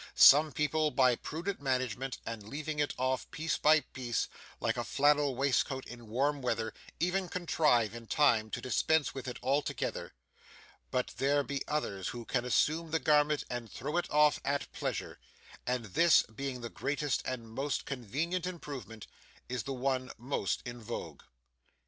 Some people by prudent management and leaving it off piece by piece like a flannel waistcoat in warm weather, even contrive, in time, to dispense with it altogether; but there be others who can assume the garment and throw it off at pleasure; and this, being the greatest and most convenient improvement, is the one most in vogue.